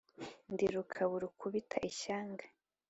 ndi rukabu rukubira ishyanga